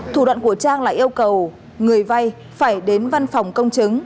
thủ đoạn của trang là yêu cầu người vay phải đến văn phòng công chứng